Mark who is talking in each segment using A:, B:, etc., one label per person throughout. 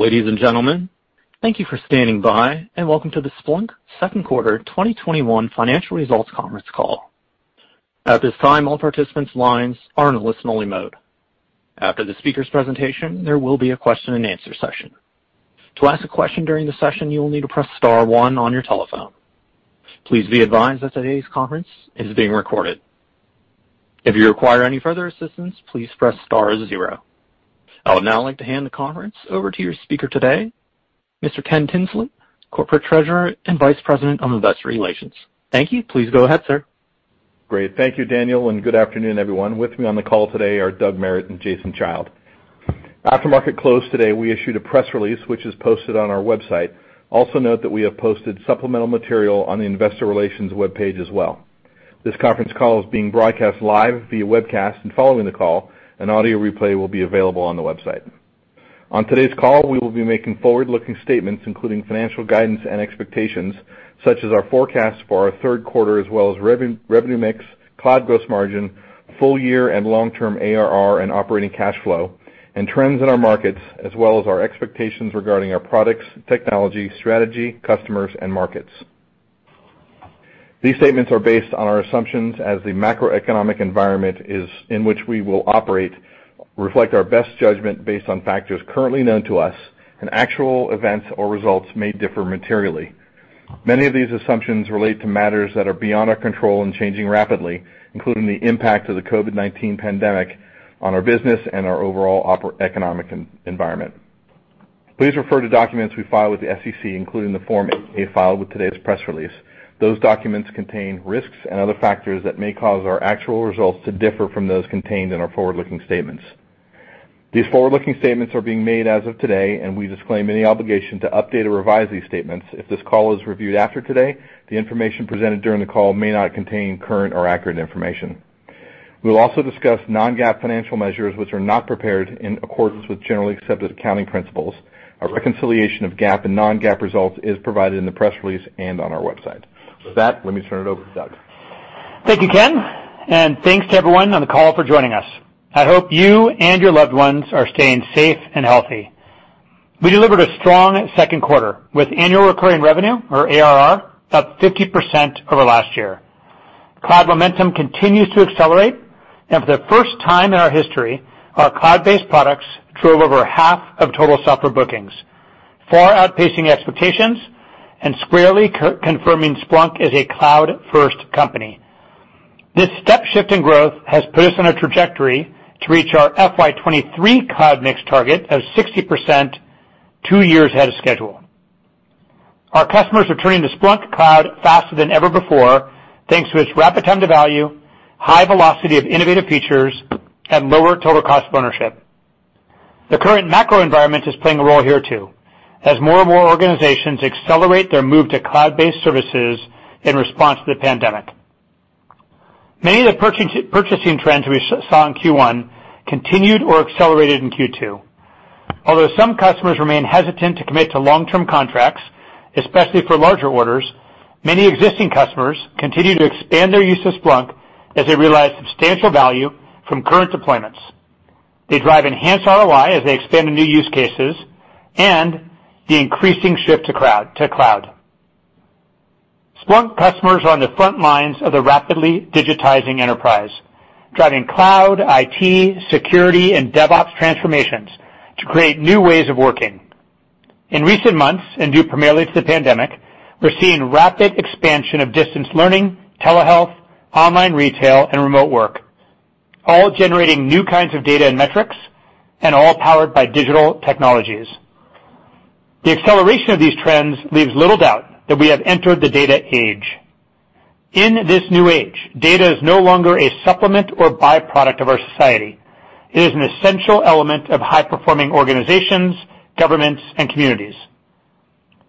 A: Ladies and gentlemen, thank you for standing by and welcome to the Splunk second quarter 2021 financial results conference call. At this time, all participants' lines are in a listen-only mode. After the speaker's presentation, there will be a question and answer session. To ask a question during the session, you will need to press star zero on your telephone. Please be advised that today's conference is being recorded. If you require any further assistance, please press star zero. I would now like to hand the conference over to your speaker today, Mr. Ken Tinsley, Corporate Treasurer and Vice President of Investor Relations. Thank you. Please go ahead, sir.
B: Great. Thank you, Daniel, and good afternoon, everyone. With me on the call today are Doug Merritt and Jason Child. After market close today, we issued a press release, which is posted on our website. Also note that we have posted supplemental material on the investor relations webpage as well. This conference call is being broadcast live via webcast, and following the call, an audio replay will be available on the website. On today's call, we will be making forward-looking statements, including financial guidance and expectations, such as our forecast for our third quarter, as well as revenue mix, cloud gross margin, full year and long-term ARR and operating cash flow, and trends in our markets, as well as our expectations regarding our products, technology, strategy, customers and markets. These statements are based on our assumptions as the macroeconomic environment in which we will operate reflect our best judgment based on factors currently known to us. Actual events or results may differ materially. Many of these assumptions relate to matters that are beyond our control and changing rapidly, including the impact of the COVID-19 pandemic on our business and our overall economic environment. Please refer to documents we file with the SEC, including the form we filed with today's press release. Those documents contain risks and other factors that may cause our actual results to differ from those contained in our forward-looking statements. These forward-looking statements are being made as of today. We disclaim any obligation to update or revise these statements. If this call is reviewed after today, the information presented during the call may not contain current or accurate information. We will also discuss non-GAAP financial measures which are not prepared in accordance with Generally Accepted Accounting Principles. A reconciliation of GAAP and non-GAAP results is provided in the press release and on our website. With that, let me turn it over to Doug.
C: Thank you, Ken, and thanks to everyone on the call for joining us. I hope you and your loved ones are staying safe and healthy. We delivered a strong second quarter with annual recurring revenue, or ARR, up 50% over last year. Cloud momentum continues to accelerate, and for the first time in our history, our cloud-based products drove over half of total software bookings, far outpacing expectations and squarely confirming Splunk is a cloud first company. This step shift in growth has put us on a trajectory to reach our FY 2023 cloud mix target of 60%, two years ahead of schedule. Our customers are turning to Splunk Cloud faster than ever before, thanks to its rapid time to value, high velocity of innovative features, and lower total cost of ownership. The current macro environment is playing a role here too, as more and more organizations accelerate their move to cloud-based services in response to the pandemic. Many of the purchasing trends we saw in Q1 continued or accelerated in Q2. Although some customers remain hesitant to commit to long-term contracts, especially for larger orders, many existing customers continue to expand their use of Splunk as they realize substantial value from current deployments. They drive enhanced ROI as they expand to new use cases and the increasing shift to cloud. Splunk customers are on the front lines of the rapidly digitizing enterprise, driving cloud, IT, security, and DevOps transformations to create new ways of working. In recent months, and due primarily to the pandemic, we're seeing rapid expansion of distance learning, telehealth, online retail, and remote work, all generating new kinds of data and metrics, and all powered by digital technologies. The acceleration of these trends leaves little doubt that we have entered the data age. In this new age, data is no longer a supplement or byproduct of our society. It is an essential element of high performing organizations, governments, and communities.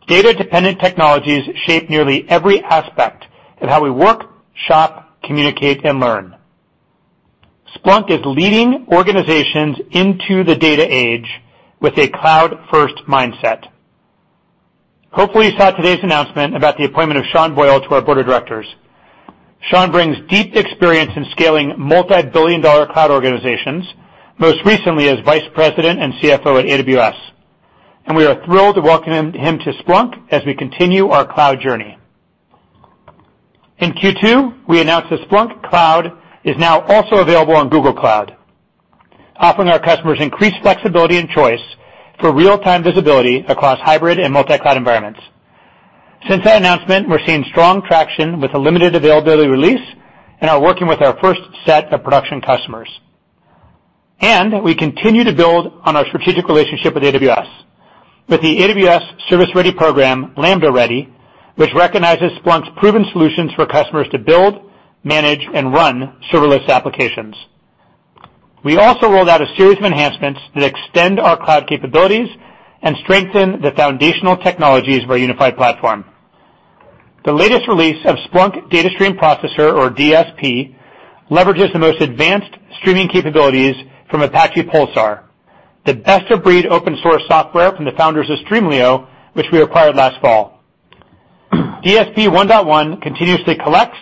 C: Data dependent technologies shape nearly every aspect of how we work, shop, communicate, and learn. Splunk is leading organizations into the data age with a cloud first mindset. Hopefully you saw today's announcement about the appointment of Sean Boyle to our board of directors. Sean brings deep experience in scaling multi-billion dollar cloud organizations, most recently as Vice President and CFO at AWS. We are thrilled to welcome him to Splunk as we continue our cloud journey. In Q2, we announced that Splunk Cloud is now also available on Google Cloud, offering our customers increased flexibility and choice for real-time visibility across hybrid and multi-cloud environments. Since that announcement, we're seeing strong traction with a limited availability release and are working with our first set of production customers. We continue to build on our strategic relationship with AWS with the AWS Service Ready Program for AWS Lambda, which recognizes Splunk's proven solutions for customers to build, manage, and run serverless applications. We also rolled out a series of enhancements that extend our cloud capabilities and strengthen the foundational technologies of our unified platform. The latest release of Splunk Data Stream Processor, or DSP, leverages the most advanced streaming capabilities from Apache Pulsar, the best of breed open source software from the founders of Streamlio, which we acquired last fall. DSP 1.1 continuously collects,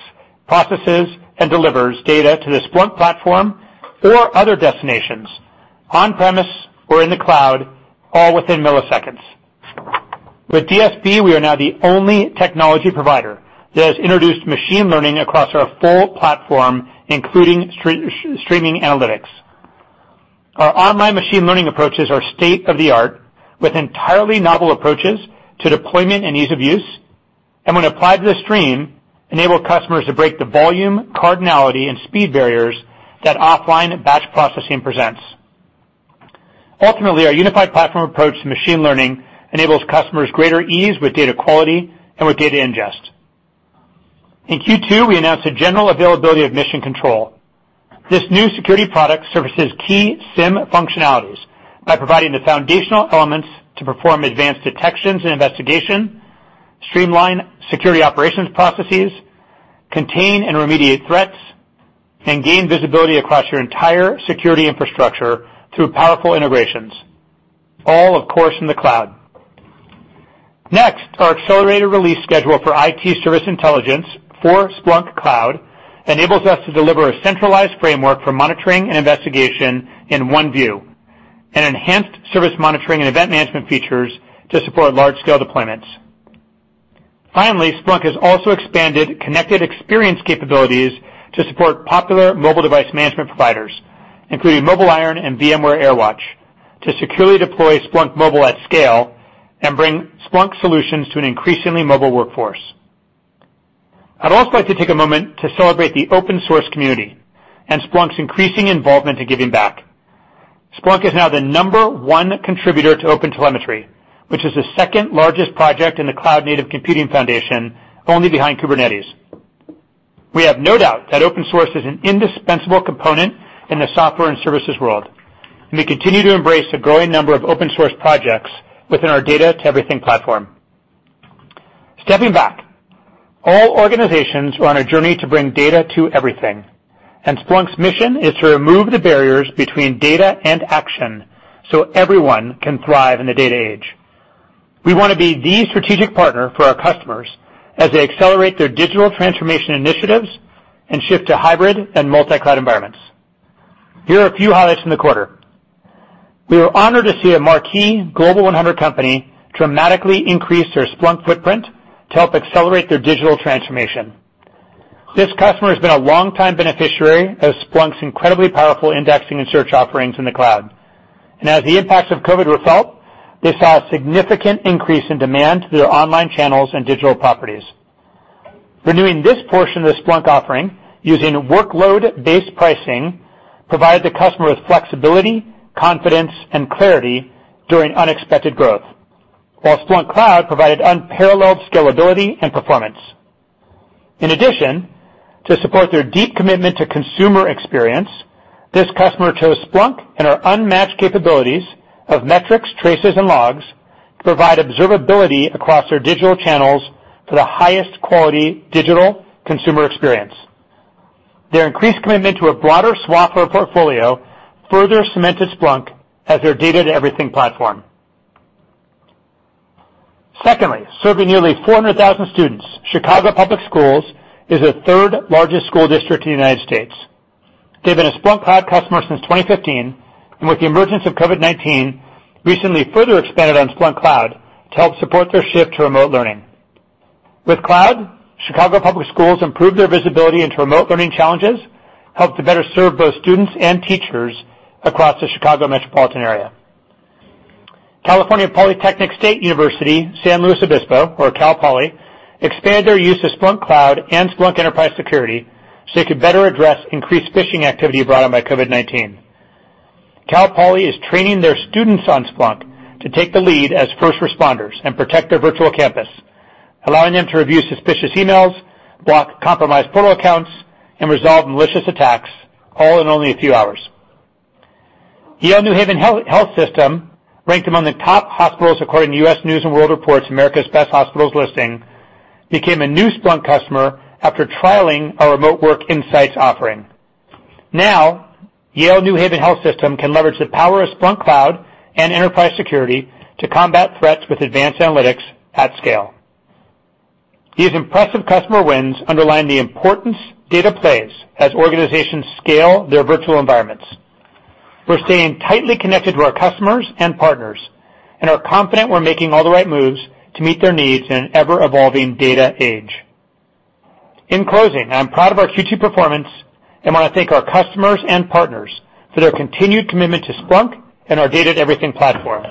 C: processes, and delivers data to the Splunk platform or other destinations on-premise or in the cloud, all within milliseconds. With DSP, we are now the only technology provider that has introduced machine learning across our full platform, including streaming analytics. Our online machine learning approaches are state-of-the-art with entirely novel approaches to deployment and ease of use, and when applied to the stream, enable customers to break the volume, cardinality, and speed barriers that offline batch processing presents. Ultimately, our unified platform approach to machine learning enables customers greater ease with data quality and with data ingest. In Q2, we announced the general availability of Mission Control. This new security product services key SIEM functionalities by providing the foundational elements to perform advanced detections and investigation, streamline security operations processes, contain and remediate threats, and gain visibility across your entire security infrastructure through powerful integrations, all of course, in the cloud. Next, our accelerated release schedule for IT Service Intelligence for Splunk Cloud enables us to deliver a centralized framework for monitoring and investigation in one view, and enhanced service monitoring and event management features to support large-scale deployments. Finally, Splunk has also expanded Connected Experiences capabilities to support popular mobile device management providers, including MobileIron and VMware AirWatch, to securely deploy Splunk Mobile at scale and bring Splunk solutions to an increasingly mobile workforce. I'd also like to take a moment to celebrate the open source community and Splunk's increasing involvement in giving back. Splunk is now the number one contributor to OpenTelemetry, which is the second largest project in the Cloud Native Computing Foundation, only behind Kubernetes. We have no doubt that open source is an indispensable component in the software and services world, and we continue to embrace a growing number of open source projects within our Data-to-Everything Platform. Stepping back, all organizations are on a journey to bring data to everything, and Splunk's mission is to remove the barriers between data and action so everyone can thrive in the data age. We want to be the strategic partner for our customers as they accelerate their digital transformation initiatives and shift to hybrid and multi-cloud environments. Here are a few highlights from the quarter. We were honored to see a marquee Fortune 100 company dramatically increase their Splunk footprint to help accelerate their digital transformation. This customer has been a longtime beneficiary of Splunk's incredibly powerful indexing and search offerings in the cloud. As the impacts of COVID were felt, they saw a significant increase in demand through their online channels and digital properties. Renewing this portion of the Splunk offering using workload-based pricing provided the customer with flexibility, confidence, and clarity during unexpected growth, while Splunk Cloud provided unparalleled scalability and performance. In addition, to support their deep commitment to consumer experience, this customer chose Splunk and our unmatched capabilities of metrics, traces, and logs to provide observability across their digital channels for the highest quality digital consumer experience. Their increased commitment to a broader software portfolio further cemented Splunk as their data to everything platform. Secondly, serving nearly 400,000 students, Chicago Public Schools is the third largest school district in the U.S. They've been a Splunk Cloud customer since 2015, and with the emergence of COVID-19, recently further expanded on Splunk Cloud to help support their shift to remote learning. With cloud, Chicago Public Schools improved their visibility into remote learning challenges, helped to better serve both students and teachers across the Chicago metropolitan area. California Polytechnic State University, San Luis Obispo, or Cal Poly, expanded their use of Splunk Cloud and Splunk Enterprise Security so they could better address increased phishing activity brought on by COVID-19. Cal Poly is training their students on Splunk to take the lead as first responders and protect their virtual campus, allowing them to review suspicious emails, block compromised portal accounts, and resolve malicious attacks, all in only a few hours. Yale New Haven Health System, ranked among the top hospitals according to U.S. News & World Report's America's Best Hospitals listing, became a new Splunk customer after trialing our Remote Work Insights offering. Now, Yale New Haven Health System can leverage the power of Splunk Cloud and Enterprise Security to combat threats with advanced analytics at scale. These impressive customer wins underline the importance data plays as organizations scale their virtual environments. We're staying tightly connected to our customers and partners, and are confident we're making all the right moves to meet their needs in an ever-evolving data age. In closing, I am proud of our Q2 performance and want to thank our customers and partners for their continued commitment to Splunk and our data to everything platform.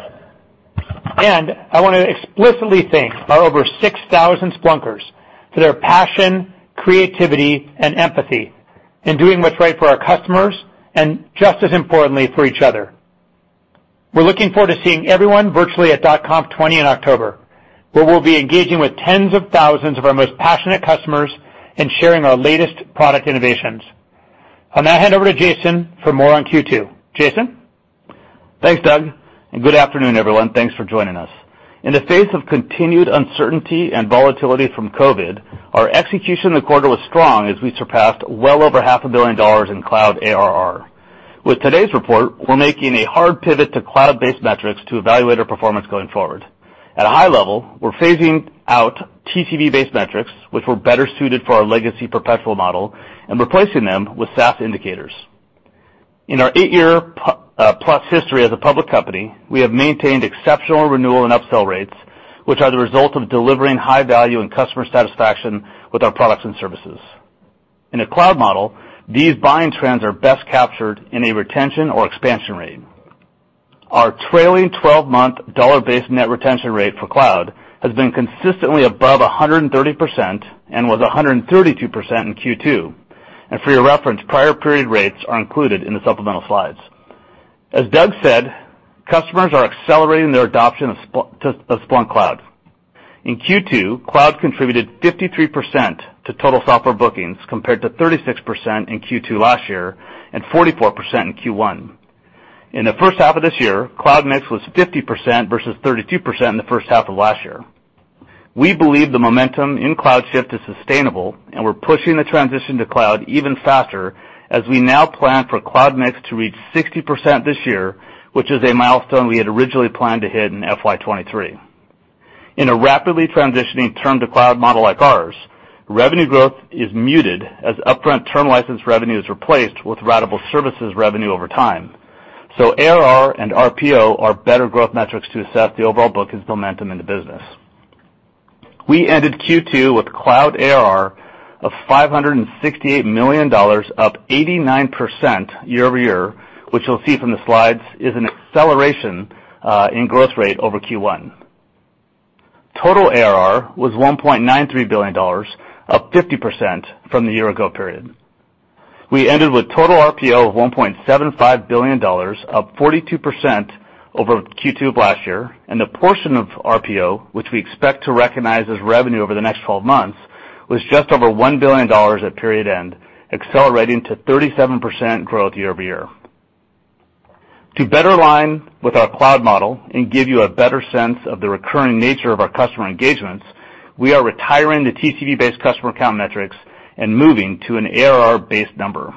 C: I want to explicitly thank our over 6,000 Splunkers for their passion, creativity, and empathy in doing what's right for our customers, and just as importantly, for each other. We're looking forward to seeing everyone virtually at .conf20 in October, where we'll be engaging with tens of thousands of our most passionate customers and sharing our latest product innovations. I'll now hand over to Jason for more on Q2. Jason?
D: Thanks, Doug. Good afternoon, everyone. Thanks for joining us. In the face of continued uncertainty and volatility from COVID, our execution in the quarter was strong as we surpassed well over half a billion dollars in cloud ARR. With today's report, we're making a hard pivot to cloud-based metrics to evaluate our performance going forward. At a high level, we're phasing out TCV-based metrics, which were better suited for our legacy perpetual model, and replacing them with SaaS indicators. In our eight-year-plus history as a public company, we have maintained exceptional renewal and upsell rates, which are the result of delivering high value and customer satisfaction with our products and services. In a cloud model, these buying trends are best captured in a retention or expansion rate. Our trailing 12-month dollar-based net retention rate for cloud has been consistently above 130% and was 132% in Q2. For your reference, prior period rates are included in the supplemental slides. As Doug said, customers are accelerating their adoption to the Splunk Cloud. In Q2, cloud contributed 53% to total software bookings, compared to 36% in Q2 last year and 44% in Q1. In the first half of this year, cloud mix was 50% versus 32% in the first half of last year. We believe the momentum in cloud shift is sustainable, and we're pushing the transition to cloud even faster as we now plan for cloud mix to reach 60% this year, which is a milestone we had originally planned to hit in FY 2023. In a rapidly transitioning term to cloud model like ours, revenue growth is muted as upfront term license revenue is replaced with ratable services revenue over time. ARR and RPO are better growth metrics to assess the overall bookings momentum in the business. We ended Q2 with cloud ARR of $568 million, up 89% year-over-year, which you'll see from the slides is an acceleration in growth rate over Q1. Total ARR was $1.93 billion, up 50% from the year ago period. We ended with total RPO of $1.75 billion, up 42% over Q2 of last year, and the portion of RPO, which we expect to recognize as revenue over the next 12 months, was just over $1 billion at period end, accelerating to 37% growth year-over-year. To better align with our cloud model and give you a better sense of the recurring nature of our customer engagements, we are retiring the TCV-based customer count metrics and moving to an ARR-based number.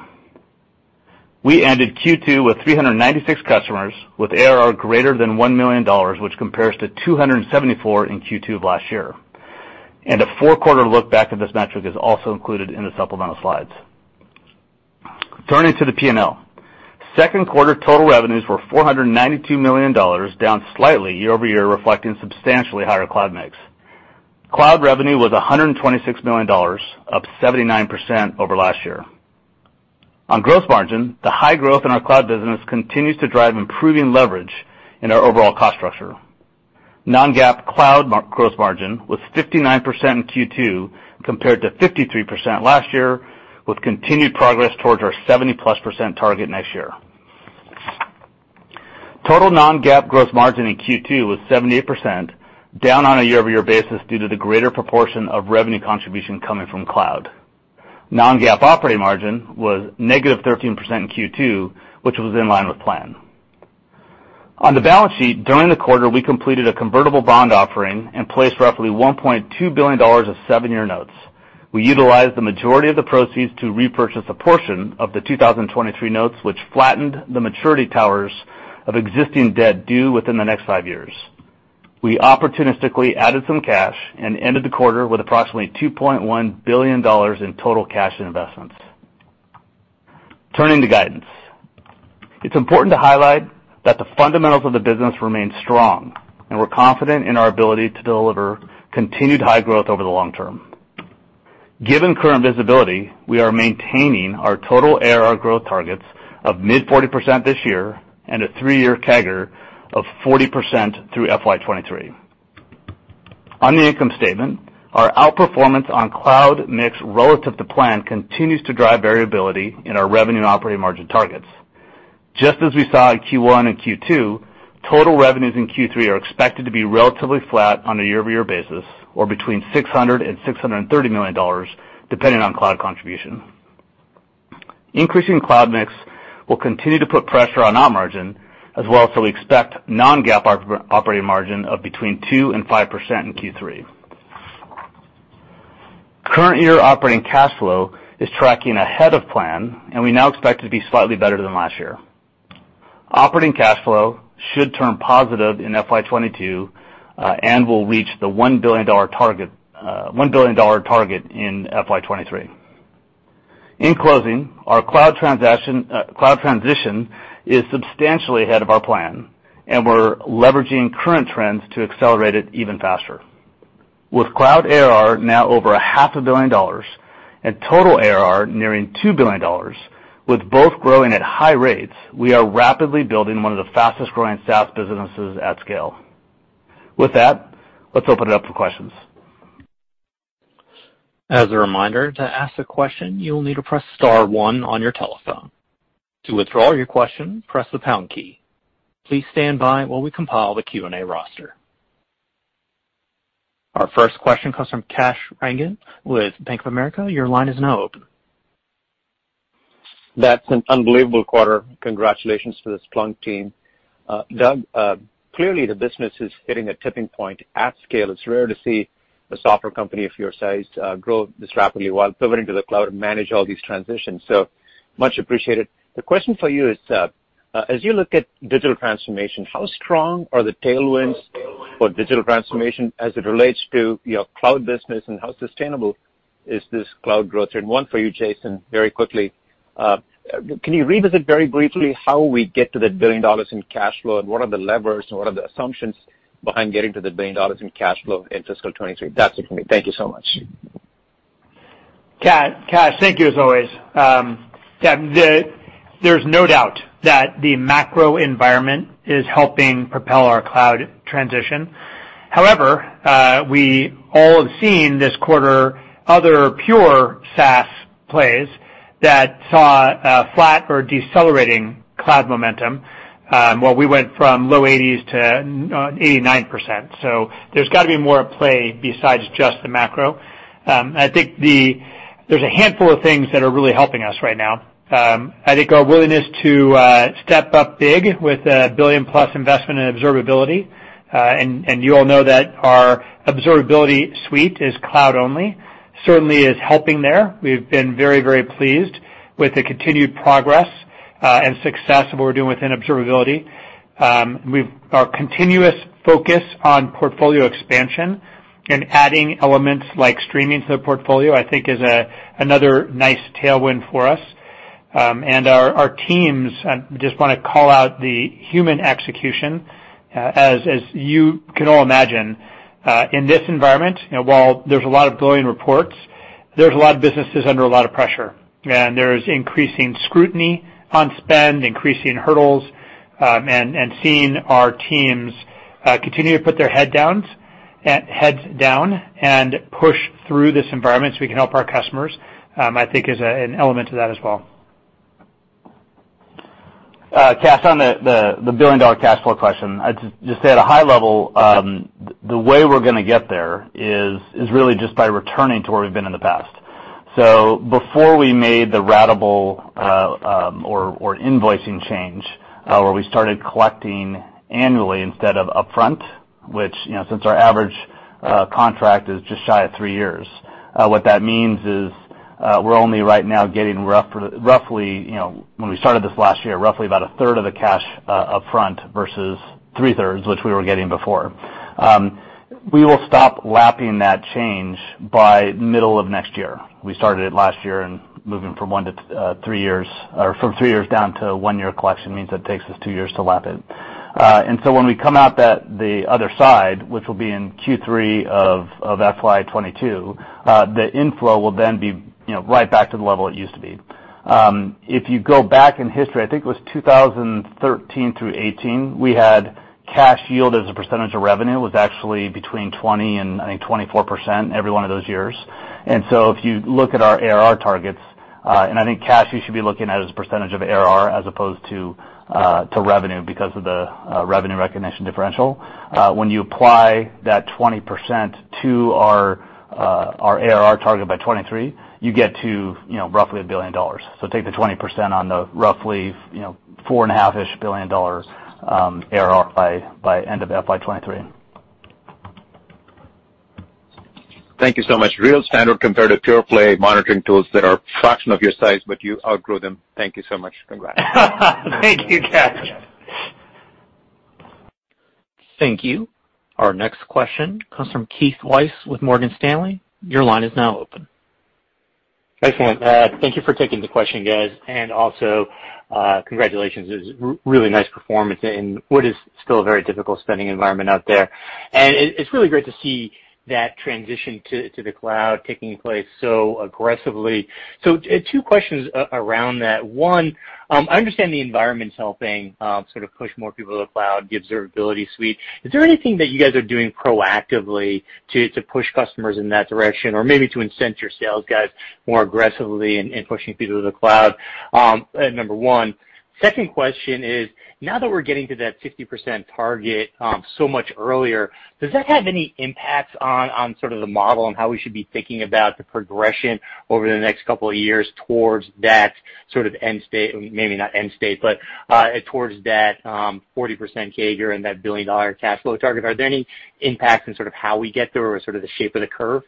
D: We ended Q2 with 396 customers with ARR greater than $1 million, which compares to 274 in Q2 of last year. A four-quarter look back of this metric is also included in the supplemental slides. Turning to the P&L. Second quarter total revenues were $492 million, down slightly year-over-year, reflecting substantially higher cloud mix. Cloud revenue was $126 million, up 79% over last year. On gross margin, the high growth in our cloud business continues to drive improving leverage in our overall cost structure. Non-GAAP cloud gross margin was 59% in Q2 compared to 53% last year, with continued progress towards our 70-plus percent target next year. Total non-GAAP gross margin in Q2 was 78%, down on a year-over-year basis due to the greater proportion of revenue contribution coming from cloud. Non-GAAP operating margin was negative 13% in Q2, which was in line with plan. On the balance sheet, during the quarter, we completed a convertible bond offering and placed roughly $1.2 billion of seven-year notes. We utilized the majority of the proceeds to repurchase a portion of the 2023 notes, which flattened the maturity towers of existing debt due within the next five years. We opportunistically added some cash and ended the quarter with approximately $2.1 billion in total cash and investments. Turning to guidance. It's important to highlight that the fundamentals of the business remain strong, and we're confident in our ability to deliver continued high growth over the long term. Given current visibility, we are maintaining our total ARR growth targets of mid-40% this year and a three-year CAGR of 40% through FY 2023. On the income statement, our outperformance on cloud mix relative to plan continues to drive variability in our revenue and operating margin targets. Just as we saw in Q1 and Q2, total revenues in Q3 are expected to be relatively flat on a year-over-year basis, or between $600 million and $630 million, depending on cloud contribution. Increasing cloud mix will continue to put pressure on op margin, as well, so we expect non-GAAP operating margin of between 2% and 5% in Q3. Current year operating cash flow is tracking ahead of plan, and we now expect it to be slightly better than last year. Operating cash flow should turn positive in FY 2022, and will reach the $1 billion target in FY 2023. In closing, our cloud transition is substantially ahead of our plan, and we're leveraging current trends to accelerate it even faster. With cloud ARR now over $0.5 billion and total ARR nearing $2 billion, with both growing at high rates, we are rapidly building one of the fastest growing SaaS businesses at scale. With that, let's open it up for questions.
A: As a reminder, to ask a question, you'll need to press star one on your telephone. To withdraw your question, press the pound key. Please stand by while we compile the Q&A roster. Our first question comes from Kash Rangan with Bank of America. Your line is now open.
E: That's an unbelievable quarter. Congratulations to the Splunk team. Doug, clearly the business is hitting a tipping point at scale. It's rare to see a software company of your size grow this rapidly while pivoting to the cloud and manage all these transitions. Much appreciated. The question for you is, as you look at digital transformation, how strong are the tailwinds for digital transformation as it relates to your cloud business? How sustainable is this cloud growth? One for you, Jason, very quickly. Can you revisit very briefly how we get to the $1 billion in cash flow, and what are the levers and what are the assumptions behind getting to the $1 billion in cash flow in fiscal 2023? That's it for me. Thank you so much.
C: Kash, thank you as always. There's no doubt that the macro environment is helping propel our cloud transition. However, we all have seen this quarter other pure SaaS plays that saw a flat or decelerating cloud momentum, while we went from low 80%s-89%. There's got to be more at play besides just the macro. I think there's a handful of things that are really helping us right now. I think our willingness to step up big with a billion-plus investment in observability, and you all know that our observability suite is cloud-only, certainly is helping there. We've been very, very pleased with the continued progress and success of what we're doing within observability. Our continuous focus on portfolio expansion and adding elements like streaming to the portfolio, I think is another nice tailwind for us. Our teams, I just want to call out the human execution. As you can all imagine, in this environment, while there's a lot of glowing reports, there's a lot of businesses under a lot of pressure. There's increasing scrutiny on spend, increasing hurdles, and seeing our teams continue to put their heads down and push through this environment so we can help our customers, I think is an element to that as well.
D: Kash, on the billion-dollar cash flow question, I'd just say at a high level, the way we're going to get there is really just by returning to where we've been in the past. Before we made the ratable or invoicing change, where we started collecting annually instead of upfront, which, since our average contract is just shy of three years, what that means is, we're only right now getting roughly, when we started this last year, roughly about 1/3 of the cash up front versus 3/3, which we were getting before. We will stop lapping that change by middle of next year. We started it last year and moving from three years down to a one-year collection means it takes us two years to lap it. When we come out the other side, which will be in Q3 of FY 2022, the inflow will then be right back to the level it used to be. If you go back in history, I think it was 2013 through 2018, we had cash yield as a percentage of revenue was actually between 20% and, I think, 24% every one of those years. If you look at our ARR targets, and I think cash you should be looking at as a percentage of ARR as opposed to revenue because of the revenue recognition differential. When you apply that 20% to our ARR target by 2023, you get to roughly $1 billion. Take the 20% on the roughly $4.5-ish billion ARR by end of FY 2023.
E: Thank you so much. Real standard compared to pure play monitoring tools that are a fraction of your size, but you outgrew them. Thank you so much. Congrats.
C: Thank you, Kash.
A: Thank you. Our next question comes from Keith Weiss with Morgan Stanley. Your line is now open.
F: Excellent. Thank you for taking the question, guys, and also, congratulations. It was really nice performance in what is still a very difficult spending environment out there. It's really great to see that transition to the cloud taking place so aggressively. Two questions around that. One, I understand the environment's helping sort of push more people to the cloud, the observability suite. Is there anything that you guys are doing proactively to push customers in that direction or maybe to incent your sales guys more aggressively in pushing people to the cloud? Number one. Second question is, now that we're getting to that 50% target so much earlier, does that have any impacts on sort of the model and how we should be thinking about the progression over the next couple of years towards that sort of end state, maybe not end state, but towards that 40% CAGR and that billion-dollar cash flow target? Are there any impacts in sort of how we get there or sort of the shape of the curve?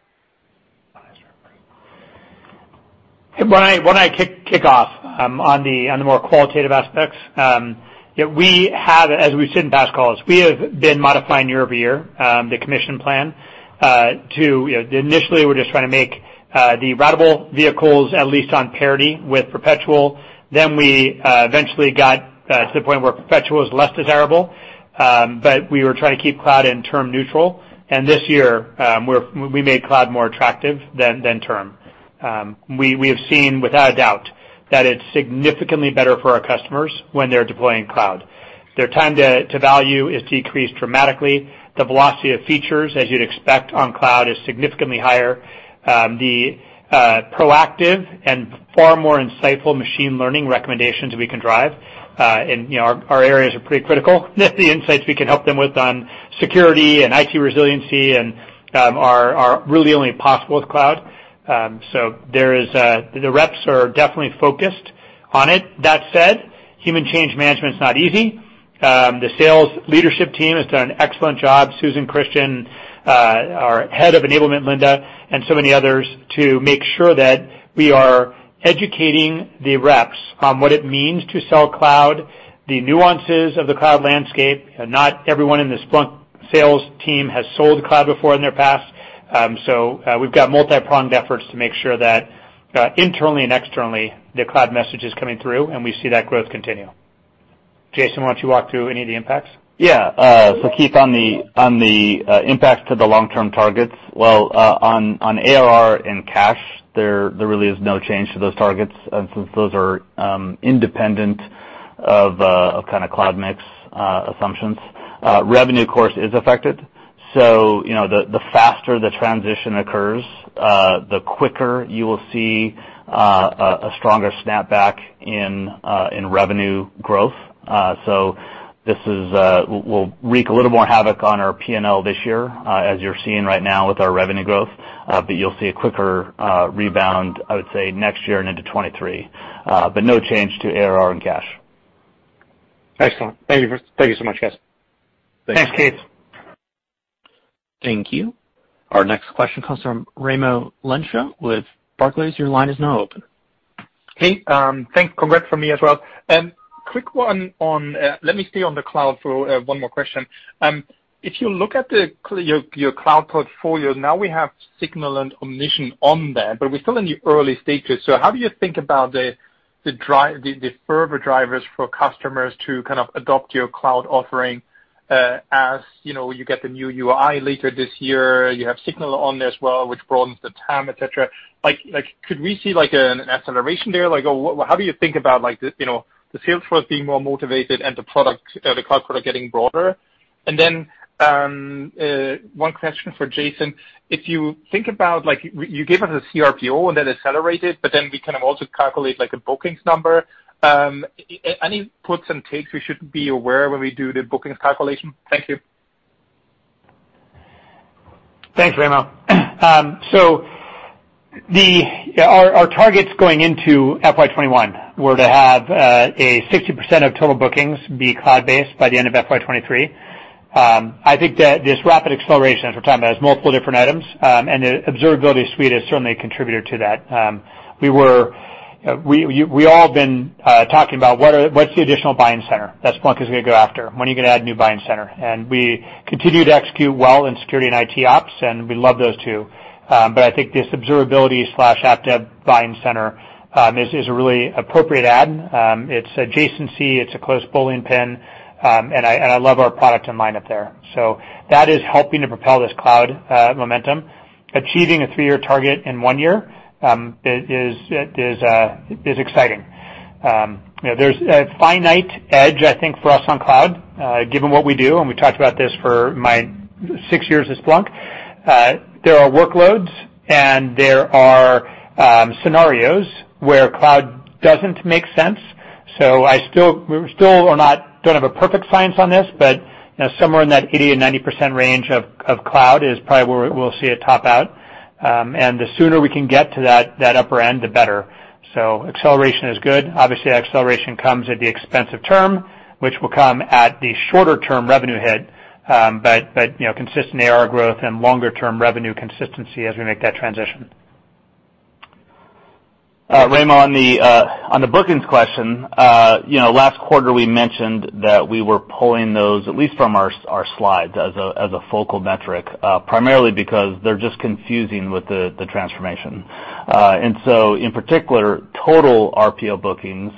C: Why don't I kick off on the more qualitative aspects. As we've said in past calls, we have been modifying year-over-year the commission plan to initially we're just trying to make the ratable vehicles at least on parity with perpetual. We eventually got to the point where perpetual is less desirable, but we were trying to keep cloud and term neutral. This year, we made cloud more attractive than term. We have seen, without a doubt, that it's significantly better for our customers when they're deploying cloud. Their time to value is decreased dramatically. The velocity of features, as you'd expect on cloud, is significantly higher. The proactive and far more insightful machine learning recommendations we can drive, and our areas are pretty critical with the insights we can help them with on security and IT resiliency are really only possible with cloud. The reps are definitely focused on it. That said, human change management is not easy. The sales leadership team has done an excellent job. Susan, Christian, our head of enablement, Linda, and so many others to make sure that we are educating the reps on what it means to sell cloud, the nuances of the cloud landscape. Not everyone in the Splunk sales team has sold cloud before in their past. We've got multi-pronged efforts to make sure that internally and externally, the cloud message is coming through, and we see that growth continue. Jason, why don't you walk through any of the impacts?
D: Yeah. Keith, on the impacts to the long-term targets, well, on ARR and cash, there really is no change to those targets since those are independent of kind of cloud mix assumptions. Revenue, of course, is affected. The faster the transition occurs, the quicker you will see a stronger snapback in revenue growth. This will wreak a little more havoc on our P&L this year, as you're seeing right now with our revenue growth. You'll see a quicker rebound, I would say, next year and into 2023. No change to ARR and cash.
F: Excellent. Thank you so much, guys.
D: Thanks.
C: Thanks, Keith.
A: Thank you. Our next question comes from Raimo Lenschow with Barclays. Your line is now open.
G: Hey, thanks. Congrats from me as well. Quick one on, let me stay on the cloud for one more question. If you look at your cloud portfolio, now we have SignalFx and Omnition on there, but we're still in the early stages. How do you think about the further drivers for customers to kind of adopt your cloud offering as you get the new UI later this year, you have SignalFx on there as well, which broadens the TAM, et cetera. Could we see an acceleration there? How do you think about the sales force being more motivated and the cloud product getting broader? One question for Jason. If you think about, you gave us a CRPO and then accelerated, but then we can also calculate a bookings number. Any puts and takes we should be aware when we do the bookings calculation? Thank you.
C: Thanks, Raimo. Our targets going into FY 2021 were to have a 60% of total bookings be cloud-based by the end of FY 2023. I think that this rapid acceleration, as we're talking about, is multiple different items, and the observability suite is certainly a contributor to that. We all have been talking about what's the additional buying center that Splunk is going to go after? When are you going to add a new buying center? We continue to execute well in security and IT ops, and we love those two. I think this observability/app dev buying center is a really appropriate add. It's adjacency, it's a close bowling pin, and I love our product in line up there. That is helping to propel this cloud momentum. Achieving a three-year target in one year is exciting. There's a finite edge, I think, for us on cloud, given what we do, and we talked about this for my six years at Splunk. There are workloads and there are scenarios where cloud doesn't make sense. We still don't have a perfect science on this, but somewhere in that 80%-90% range of cloud is probably where we'll see it top out. The sooner we can get to that upper end, the better. Acceleration is good. Obviously, that acceleration comes at the expense of term, which will come at the shorter term revenue hit. Consistent ARR growth and longer-term revenue consistency as we make that transition.
D: Raimo, on the bookings question. Last quarter, we mentioned that we were pulling those, at least from our slides, as a focal metric, primarily because they're just confusing with the transformation. In particular, total RPO bookings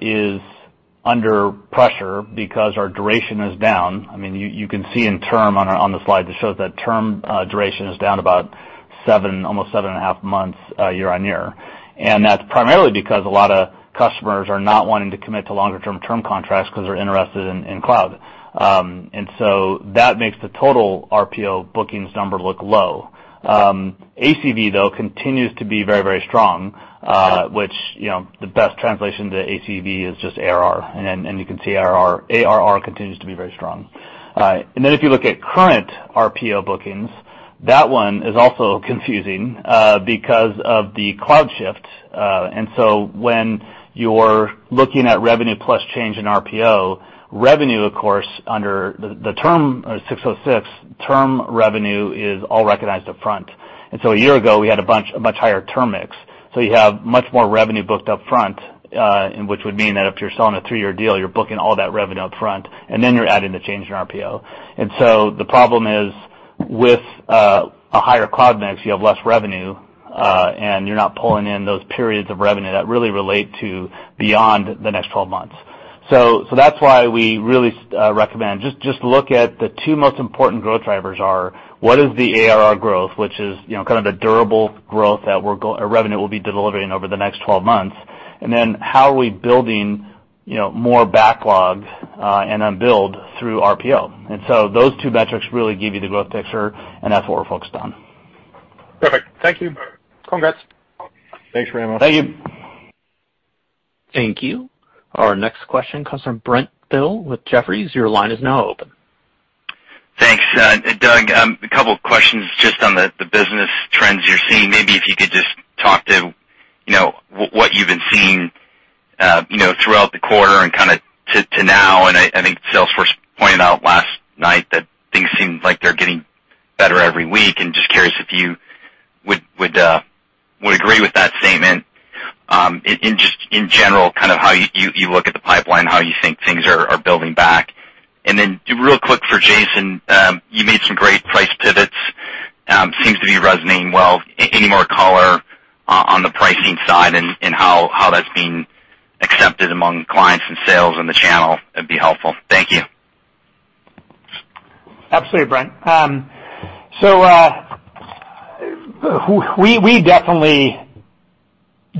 D: is under pressure because our duration is down. You can see in term on the slide that shows that term duration is down about almost 7.5 months year-on-year. That's primarily because a lot of customers are not wanting to commit to longer term contracts because they're interested in cloud. That makes the total RPO bookings number look low. ACV, though, continues to be very, very strong. Which the best translation to ACV is just ARR, and you can see our ARR continues to be very strong. If you look at current RPO bookings, that one is also confusing because of the cloud shift. When you're looking at revenue plus change in RPO, revenue, of course, under ASC 606, term revenue is all recognized up front. A year ago, we had a much higher term mix. You have much more revenue booked up front, which would mean that if you're selling a three-year deal, you're booking all that revenue up front, then you're adding the change in RPO. The problem is with a higher cloud mix, you have less revenue, and you're not pulling in those periods of revenue that really relate to beyond the next 12 months. That's why we really recommend, just look at the two most important growth drivers are what is the ARR growth, which is kind of the durable growth that revenue will be delivering over the next 12 months, and then how are we building more backlog and unbilled through RPO. Those two metrics really give you the growth picture, and that's what we're focused on.
G: Perfect. Thank you. Congrats.
D: Thanks, Raimo.
C: Thank you.
A: Thank you. Our next question comes from Brent Thill with Jefferies. Your line is now open.
H: Thanks. Doug, a couple of questions just on the business trends you're seeing. Maybe if you could just talk to what you've been seeing throughout the quarter and to now, I think Salesforce pointed out last night that things seem like they're getting better every week, and just curious if you would agree with that statement. Just in general, how you look at the pipeline, how you think things are building back. Real quick for Jason, you made some great price pivots. Seems to be resonating well. Any more color on the pricing side and how that's being accepted among clients and sales in the channel would be helpful. Thank you.
C: Absolutely, Brent. We definitely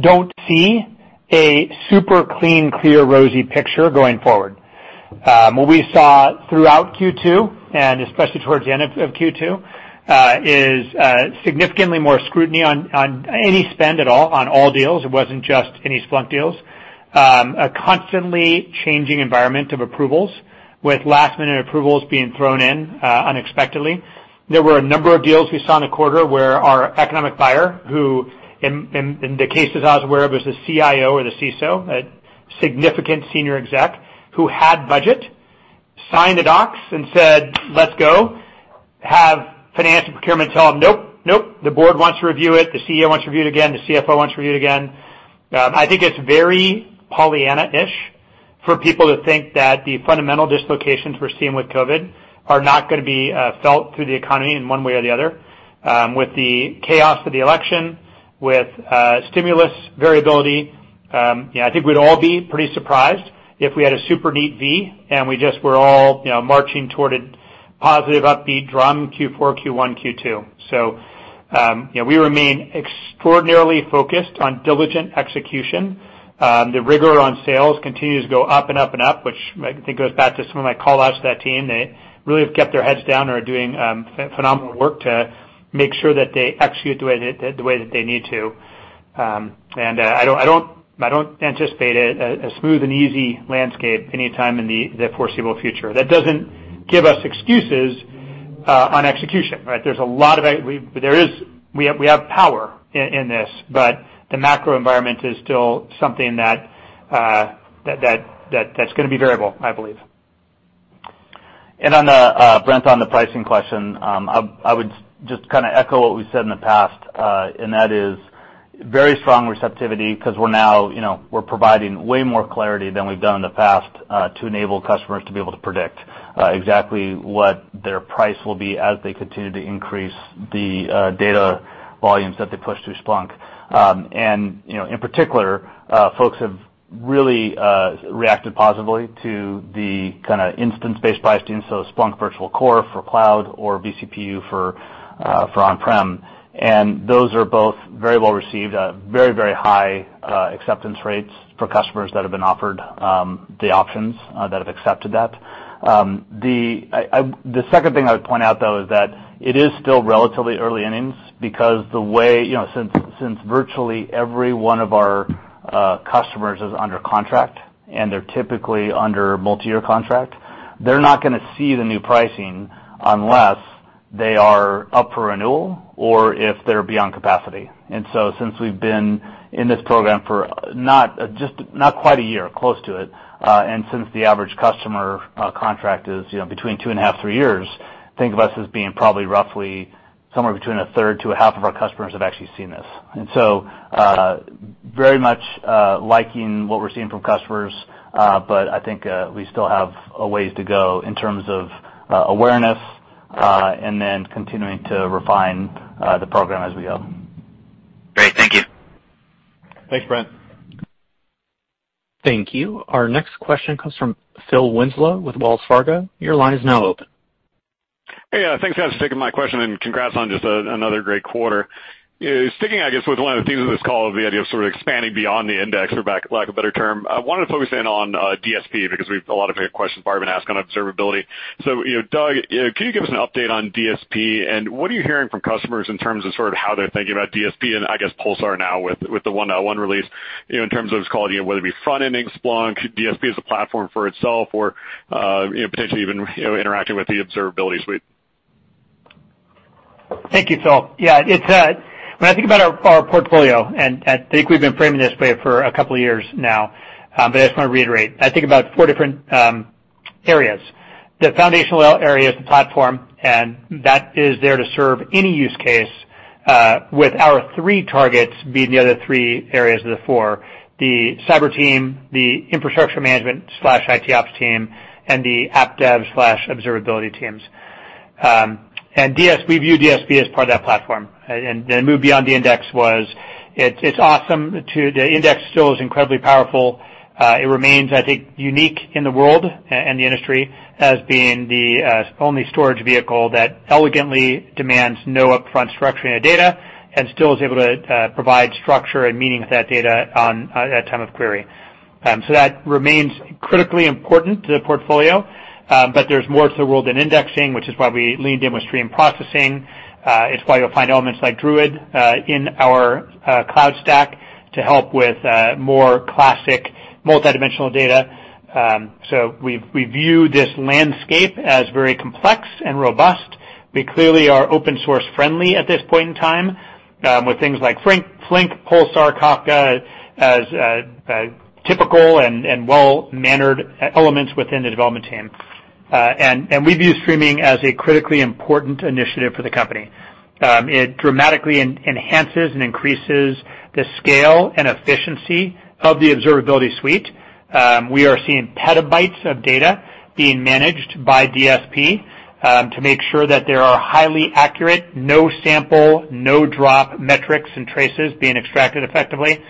C: don't see a super clean, clear, rosy picture going forward. What we saw throughout Q2, and especially towards the end of Q2, is significantly more scrutiny on any spend at all on all deals. It wasn't just any Splunk deals. A constantly changing environment of approvals, with last-minute approvals being thrown in unexpectedly. There were a number of deals we saw in the quarter where our economic buyer, who in the cases I was aware of, was the CIO or the CISO, a significant senior exec who had budget, signed the docs and said, "Let's go," have financial procurement tell them, "Nope. The board wants to review it. The CEO wants to review it again. The CFO wants to review it again. I think it's very Pollyanna-ish for people to think that the fundamental dislocations we're seeing with COVID are not going to be felt through the economy in one way or the other. With the chaos of the election, with stimulus variability, I think we'd all be pretty surprised if we had a super deep V and we just were all marching toward a positive upbeat drum Q4, Q1, Q2. We remain extraordinarily focused on diligent execution. The rigor on sales continues to go up and up, which I think goes back to some of my call outs to that team. They really have kept their heads down and are doing phenomenal work to make sure that they execute the way that they need to. I don't anticipate a smooth and easy landscape anytime in the foreseeable future. That doesn't give us excuses on execution, right? We have power in this, but the macro environment is still something that's going to be variable, I believe.
D: Brent, on the pricing question, I would just echo what we've said in the past, that is very strong receptivity because we're providing way more clarity than we've done in the past, to enable customers to be able to predict exactly what their price will be as they continue to increase the data volumes that they push through Splunk. In particular, folks have really reacted positively to the instance-based pricing, so Splunk Virtual Core for cloud or vCPU for on-prem. Those are both very well received at very high acceptance rates for customers that have been offered the options that have accepted that. The second thing I would point out, though, is that it is still relatively early innings because since virtually every one of our customers is under contract, and they're typically under multi-year contract, they're not going to see the new pricing unless they are up for renewal or if they're beyond capacity. Since we've been in this program for not quite a year, close to it, and since the average customer contract is between two and a half, three years, think of us as being probably roughly somewhere between a third to a half of our customers have actually seen this. Very much liking what we're seeing from customers, but I think we still have a ways to go in terms of awareness, and then continuing to refine the program as we go.
H: Great. Thank you.
D: Thanks, Brent.
A: Thank you. Our next question comes from Phil Winslow with Wells Fargo.
I: Hey. Thanks, guys, for taking my question. Congrats on just another great quarter. Sticking, I guess, with one of the themes of this call of the idea of sort of expanding beyond the index, for lack of a better term, I wanted to focus in on DSP because we have a lot of great questions Barb had asked on observability. Doug, can you give us an update on DSP, and what are you hearing from customers in terms of how they're thinking about DSP and I guess Pulsar now with the 1.1 release, in terms of its quality and whether it be front-ending Splunk, DSP as a platform for itself or, potentially even interacting with the observability suite?
C: Thank you, Phil. Yeah. When I think about our portfolio, and I think we've been framing this way for a couple of years now, but I just want to reiterate. I think about four different areas. The foundational area is the platform, and that is there to serve any use case, with our three targets being the other three areas of the four: the cyber team, the infrastructure management/IT Ops team, and the App Dev/observability teams. We view DSP as part of that platform. The move beyond the index was, it's awesome. The index still is incredibly powerful. It remains, I think, unique in the world and the industry as being the only storage vehicle that elegantly demands no upfront structuring of data and still is able to provide structure and meaning of that data at time of query. That remains critically important to the portfolio. There's more to the world than indexing, which is why we leaned in with stream processing. It's why you'll find elements like Druid in our cloud stack to help with more classic multidimensional data. We view this landscape as very complex and robust. We clearly are open source friendly at this point in time with things like Flink, Pulsar, Kafka as typical and well-mannered elements within the development team. We view streaming as a critically important initiative for the company. It dramatically enhances and increases the scale and efficiency of the observability suite. We are seeing petabytes of data being managed by DSP to make sure that there are highly accurate, no sample, no drop metrics and traces being extracted effectively.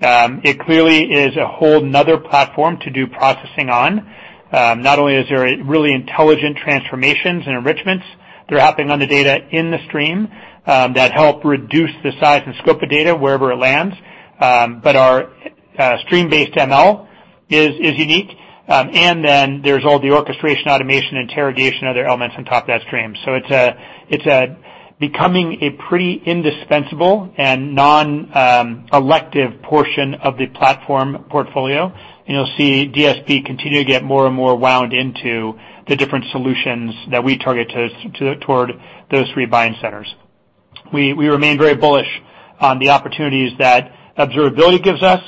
C: It clearly is a whole other platform to do processing on. Not only is there really intelligent transformations and enrichments that are happening on the data in the stream that help reduce the size and scope of data wherever it lands, but our stream-based ML is unique. Then there's all the orchestration, automation, interrogation, other elements on top of that stream. It's becoming a pretty indispensable and non-elective portion of the platform portfolio. You'll see DSP continue to get more and more wound into the different solutions that we target toward those three buying centers. We remain very bullish on the opportunities that observability gives us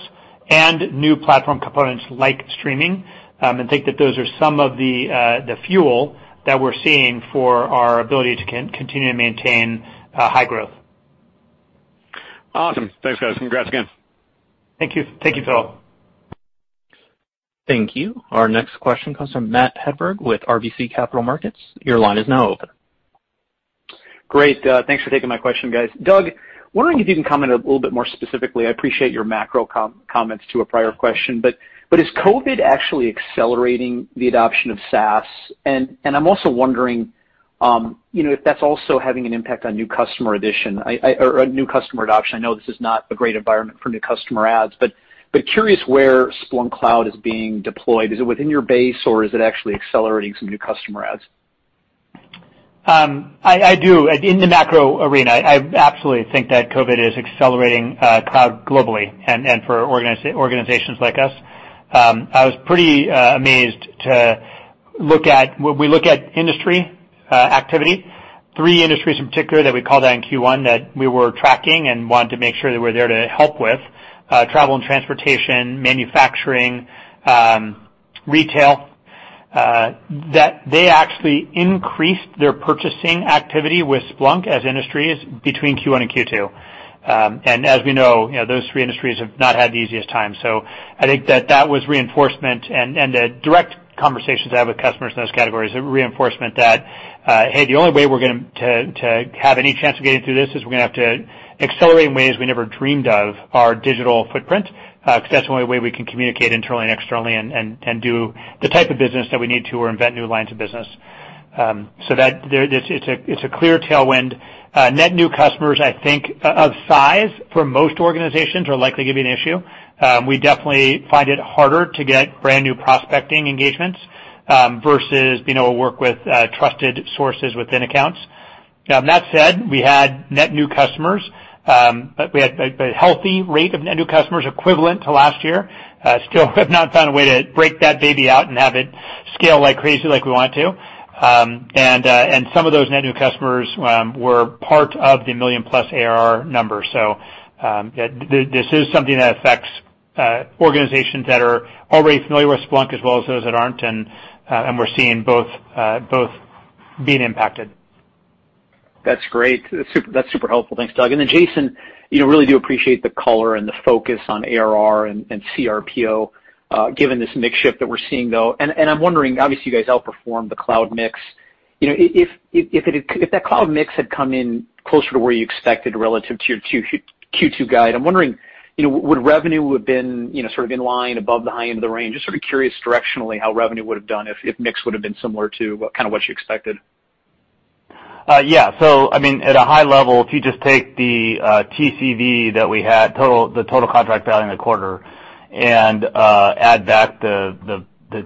C: and new platform components like streaming, and think that those are some of the fuel that we're seeing for our ability to continue to maintain high growth.
I: Awesome. Thanks, guys. Congrats again.
C: Thank you, Phil.
A: Thank you. Our next question comes from Matt Hedberg with RBC Capital Markets. Your line is now open.
J: Great. Thanks for taking my question, guys. Doug, wondering if you can comment a little bit more specifically, I appreciate your macro comments to a prior question, but is COVID actually accelerating the adoption of SaaS? I'm also wondering if that's also having an impact on new customer adoption. I know this is not a great environment for new customer adds, but curious where Splunk Cloud is being deployed. Is it within your base or is it actually accelerating some new customer adds?
C: I do. In the macro arena, I absolutely think that COVID is accelerating cloud globally and for organizations like us. I was pretty amazed to look at, when we look at industry activity, three industries in particular that we called out in Q1 that we were tracking and wanted to make sure that we're there to help with, travel and transportation, manufacturing, retail, that they actually increased their purchasing activity with Splunk as industries between Q1 and Q2. As we know, those three industries have not had the easiest time. I think that was reinforcement, and the direct conversations I have with customers in those categories are reinforcement that, hey, the only way we're going to have any chance of getting through this is we're going to have to accelerate in ways we never dreamed of our digital footprint, because that's the only way we can communicate internally and externally and do the type of business that we need to or invent new lines of business. It's a clear tailwind. Net new customers, I think, of size for most organizations are likely going to be an issue. We definitely find it harder to get brand new prospecting engagements versus being able to work with trusted sources within accounts. That said, we had net new customers, but we had a healthy rate of net new customers equivalent to last year. Still have not found a way to break that baby out and have it scale like crazy like we want to. Some of those net new customers were part of the million plus ARR number. This is something that affects organizations that are already familiar with Splunk as well as those that aren't, and we're seeing both being impacted.
J: That's great. That's super helpful. Thanks, Doug. Jason, really do appreciate the color and the focus on ARR and CRPO, given this mix shift that we're seeing, though. I'm wondering, obviously, you guys outperformed the cloud mix. If that cloud mix had come in closer to where you expected relative to your Q2 guide, I'm wondering, would revenue have been sort of in line above the high end of the range? Just sort of curious directionally how revenue would have done if mix would have been similar to what you expected.
D: Yeah. At a high level, if you just take the TCV that we had, the total contract value in the quarter, and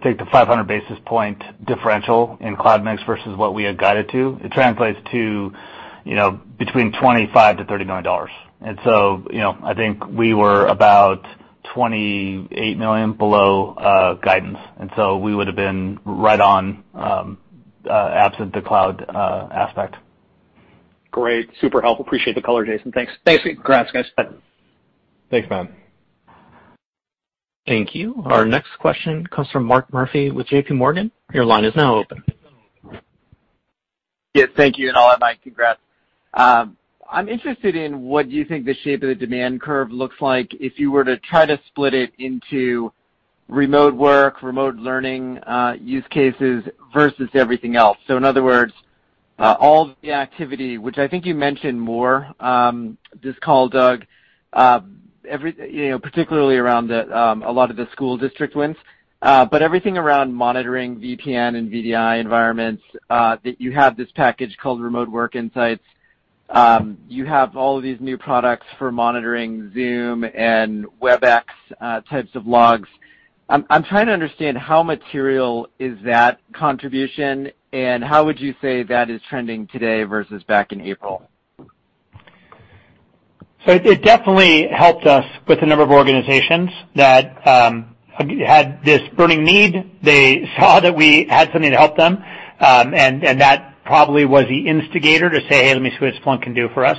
D: take the 500 basis point differential in cloud mix versus what we had guided to, it translates to between $25 million-$30 million. I think we were about $28 million below guidance, and so we would have been right on absent the cloud aspect.
J: Great. Super helpful. Appreciate the color, Jason. Thanks.
D: Thanks.
J: Congrats, guys.
D: Thanks, Matt.
A: Thank you. Our next question comes from Mark Murphy with JPMorgan. Your line is now open.
K: Yeah, thank you. Congrats. I'm interested in what you think the shape of the demand curve looks like if you were to try to split it into remote work, remote learning use cases versus everything else. In other words, all the activity, which I think you mentioned more this call, Doug, particularly around a lot of the school district wins. Everything around monitoring VPN and VDI environments, that you have this package called Remote Work Insights. You have all of these new products for monitoring Zoom and Webex types of logs. I'm trying to understand how material is that contribution, and how would you say that is trending today versus back in April?
C: It definitely helped us with a number of organizations that had this burning need. They saw that we had something to help them, and that probably was the instigator to say, "Hey, let me see what Splunk can do for us."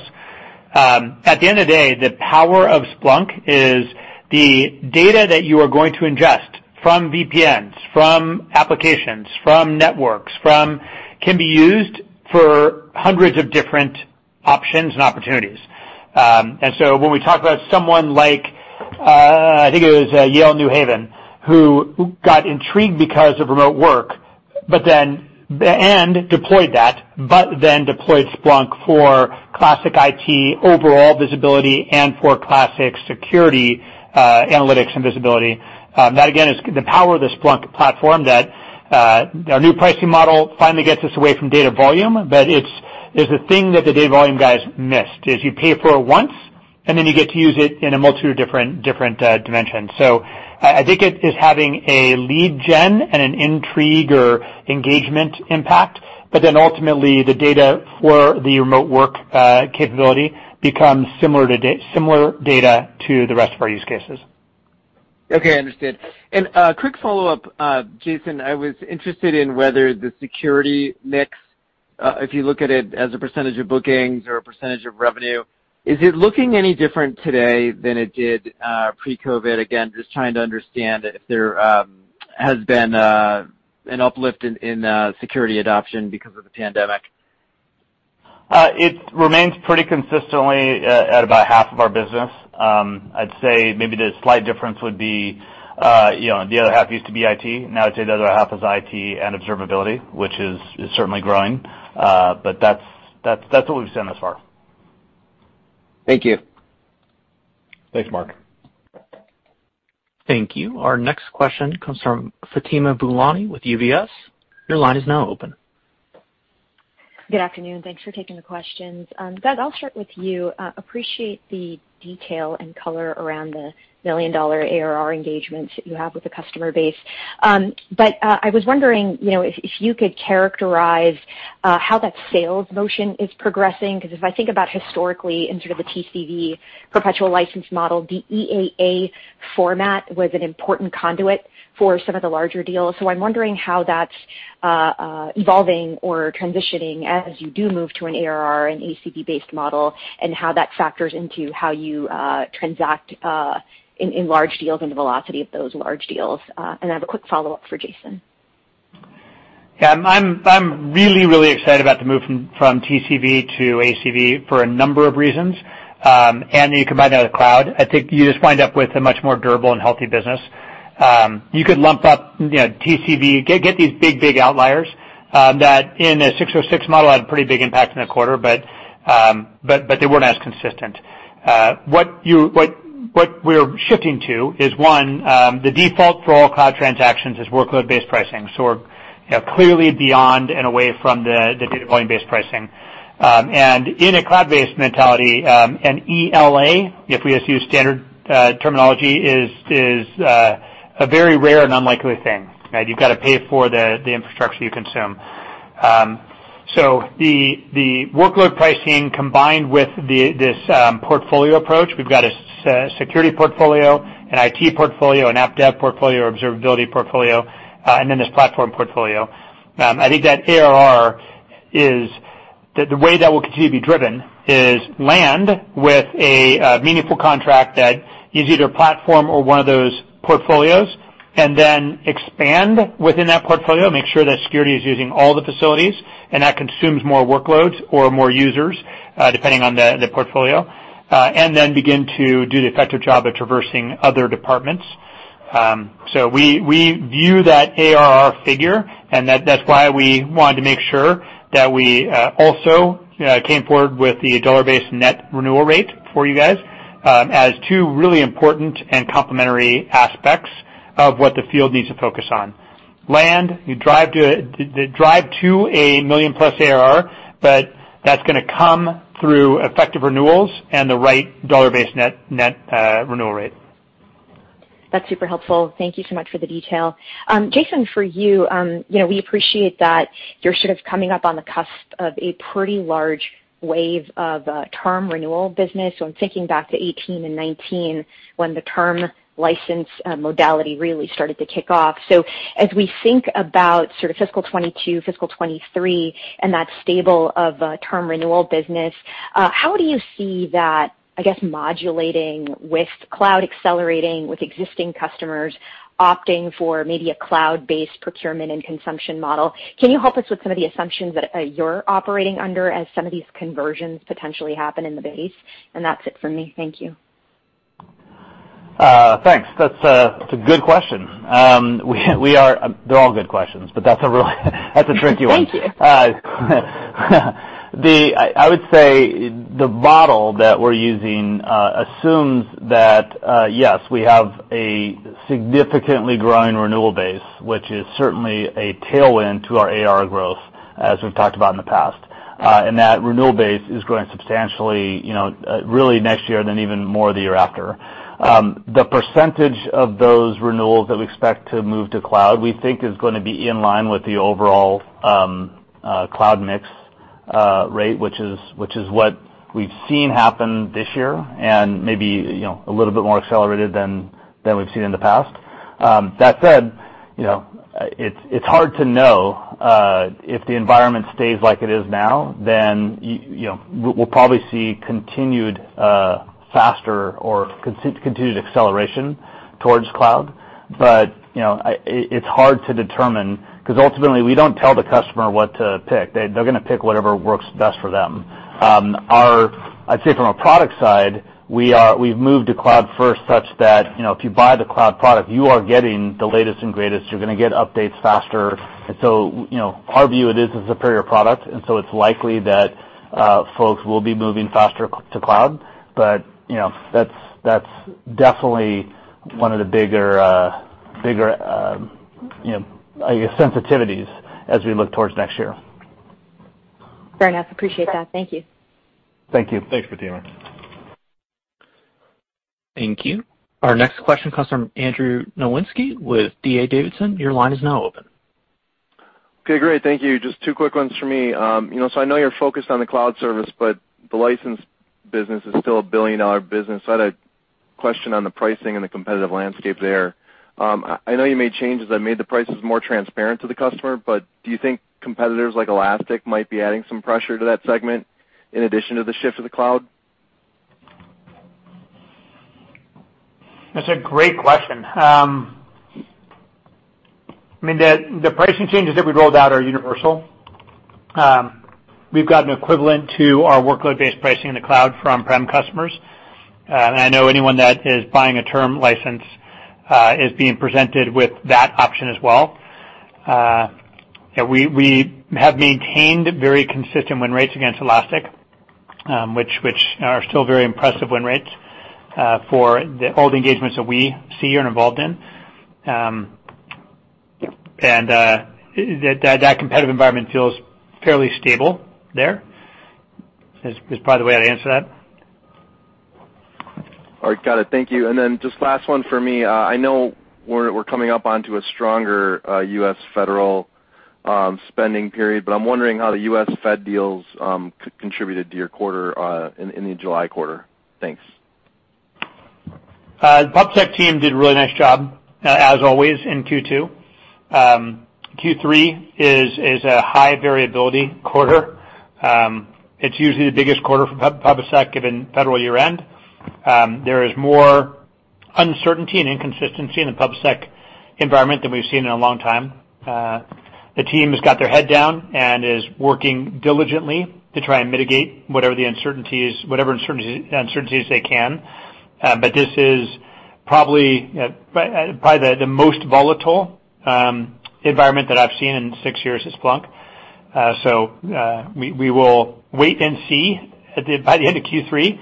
C: At the end of the day, the power of Splunk is the data that you are going to ingest from VPNs, from applications, from networks can be used for hundreds of different options and opportunities. When we talk about someone like, I think it was Yale New Haven, who got intrigued because of remote work, and deployed that, but then deployed Splunk for classic IT overall visibility and for classic security analytics and visibility. That again, is the power of the Splunk platform that our new pricing model finally gets us away from data volume. There's a thing that the data volume guys missed, is you pay for it once and then you get to use it in a multitude of different dimensions. I think it is having a lead gen and an intrigue or engagement impact, but then ultimately the data for the remote work capability becomes similar data to the rest of our use cases.
K: Okay, understood. A quick follow-up, Jason, I was interested in whether the security mix, if you look at it as a percentage of bookings or a percentage of revenue, is it looking any different today than it did pre-COVID? Again, just trying to understand if there has been an uplift in security adoption because of the pandemic.
D: It remains pretty consistently at about half of our business. I'd say maybe the slight difference would be the other half used to be IT, now I'd say the other half is IT and observability, which is certainly growing. That's what we've seen thus far.
K: Thank you.
D: Thanks, Mark.
A: Thank you. Our next question comes from Fatima Boolani with UBS. Your line is now open.
L: Good afternoon. Thanks for taking the questions. Doug, I'll start with you. Appreciate the detail and color around the million-dollar ARR engagements that you have with the customer base. I was wondering if you could characterize how that sales motion is progressing, because if I think about historically in sort of the TCV perpetual license model, the ELA format was an important conduit for some of the larger deals. I'm wondering how that's evolving or transitioning as you do move to an ARR and ACV-based model, and how that factors into how you transact in large deals and the velocity of those large deals. I have a quick follow-up for Jason.
C: Yeah, I'm really, really excited about the move from TCV to ACV for a number of reasons. Then you combine that with cloud, I think you just wind up with a much more durable and healthy business. You could lump up TCV, get these big, big outliers that in a 606 model, had a pretty big impact in the quarter, but they weren't as consistent. What we're shifting to is one, the default for all cloud transactions is workload-based pricing. We're clearly beyond and away from the data volume-based pricing. In a cloud-based mentality, an ELA, if we just use standard terminology, is a very rare and unlikely thing. You've got to pay for the infrastructure you consume. The workload pricing combined with this portfolio approach, we've got a security portfolio, an IT portfolio, an app dev portfolio, observability portfolio, and then this platform portfolio. I think that ARR is, the way that will continue to be driven is land with a meaningful contract that is either platform or one of those portfolios, and then expand within that portfolio, make sure that security is using all the facilities, and that consumes more workloads or more users, depending on the portfolio, and then begin to do the effective job of traversing other departments. We view that ARR figure, and that's why we wanted to make sure that we also came forward with the dollar-based net renewal rate for you guys, as two really important and complementary aspects of what the field needs to focus on. Land, you drive to a $1+ million ARR, but that's going to come through effective renewals and the right dollar-based net renewal rate.
L: That's super helpful. Thank you so much for the detail. Jason, for you, we appreciate that you're sort of coming up on the cusp of a pretty large wave of term renewal business. I'm thinking back to 2018 and 2019, when the term license modality really started to kick off. As we think about sort of fiscal 2022, fiscal 2023, and that stable of term renewal business, how do you see that, I guess, modulating with cloud accelerating, with existing customers opting for maybe a cloud-based procurement and consumption model? Can you help us with some of the assumptions that you're operating under as some of these conversions potentially happen in the base? That's it for me. Thank you.
D: Thanks. That's a good question. They're all good questions, but that's a really tricky one.
L: Thank you.
D: I would say the model that we're using assumes that, yes, we have a significantly growing renewal base, which is certainly a tailwind to our ARR growth, as we've talked about in the past. That renewal base is growing substantially really next year and then even more the year after. The percentage of those renewals that we expect to move to cloud, we think is going to be in line with the overall cloud mix rate, which is what we've seen happen this year, and maybe a little bit more accelerated than we've seen in the past. That said, it's hard to know if the environment stays like it is now, then we'll probably see continued faster or continued acceleration towards cloud. It's hard to determine, because ultimately, we don't tell the customer what to pick. They're going to pick whatever works best for them. I'd say from a product side, we've moved to cloud first such that, if you buy the cloud product, you are getting the latest and greatest. You're going to get updates faster. Our view, it is a superior product, and so it's likely that folks will be moving faster to cloud. That's definitely one of the bigger, I guess, sensitivities as we look towards next year.
L: Fair enough. Appreciate that. Thank you.
D: Thank you. Thanks, Fatima.
A: Thank you. Our next question comes from Andrew Nowinski with D.A. Davidson. Your line is now open.
M: Okay, great. Thank you. Just two quick ones for me. I know you're focused on the cloud service, but the license business is still a billion-dollar business. I had a question on the pricing and the competitive landscape there. I know you made changes that made the prices more transparent to the customer, do you think competitors like Elastic might be adding some pressure to that segment in addition to the shift to the cloud?
C: That's a great question. I mean, the pricing changes that we rolled out are universal. We've got an equivalent to our workload-based pricing in the cloud from prem customers. I know anyone that is buying a term license is being presented with that option as well. We have maintained very consistent win rates against Elastic, which are still very impressive win rates for all the engagements that we see and are involved in. That competitive environment feels fairly stable there, is probably the way I'd answer that.
M: All right, got it. Thank you. Just last one for me. I know we're coming up onto a stronger U.S. federal spending period, but I'm wondering how the U.S. Fed deals contributed to your quarter in the July quarter. Thanks.
C: The PubSec team did a really nice job, as always, in Q2. Q3 is a high variability quarter. It's usually the biggest quarter for PubSec given federal year-end. There is more uncertainty and inconsistency in the PubSec environment than we've seen in a long time. The team has got their head down and is working diligently to try and mitigate whatever uncertainties they can. This is probably the most volatile environment that I've seen in six years at Splunk. We will wait and see by the end of Q3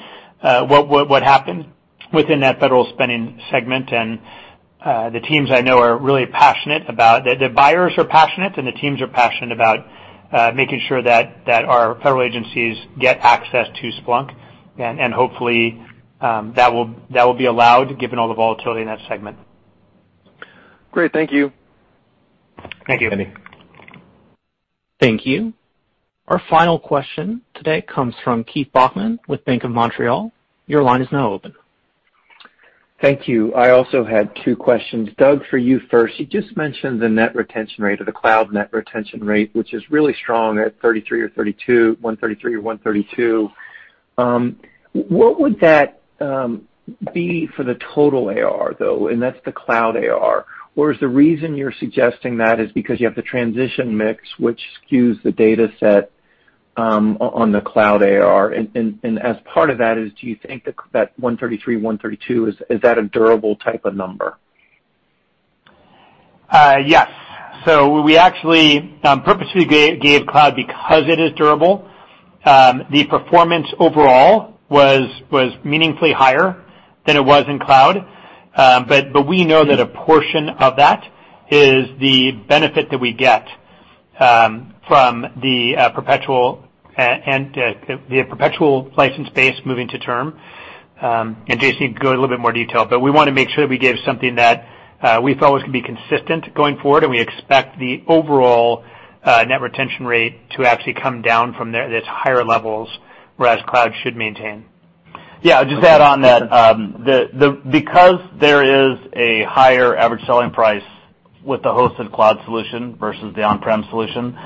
C: what happens within that federal spending segment. The buyers are passionate, and the teams are passionate about making sure that our federal agencies get access to Splunk. Hopefully, that will be allowed given all the volatility in that segment.
M: Great. Thank you.
D: Thank you. Thanks, Andy.
A: Thank you. Our final question today comes from Keith Bachman with Bank of Montreal. Your line is now open.
N: Thank you. I also had two questions. Doug, for you first, you just mentioned the cloud net retention rate, which is really strong at 33% or 32%, 133% or 132%. What would that be for the total ARR, though, and that's the cloud ARR? Is the reason you're suggesting that is because you have the transition mix which skews the data set on the cloud ARR? As part of that is, do you think that 133%, 132%, is that a durable type of number?
C: Yes. We actually purposely gave cloud because it is durable. The performance overall was meaningfully higher than it was in cloud. We know that a portion of that is the benefit that we get from the perpetual license base moving to term. Jason can go in a little bit more detail, but we want to make sure that we give something that we felt was going to be consistent going forward, and we expect the overall net retention rate to actually come down from this higher levels, whereas cloud should maintain.
D: Yeah, I'll just add on that. There is a higher average selling price with the hosted cloud solution versus the on-prem solution,